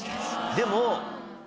でも。